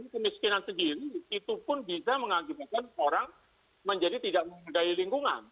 kemiskinan sendiri itu pun bisa mengakibatkan orang menjadi tidak memiliki lingkungan